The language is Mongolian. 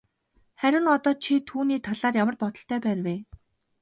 Харин одоо чи түүний талаар ямар бодолтой байна вэ?